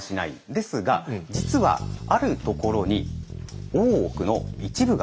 ですが実はあるところに大奥の一部が残されているんです。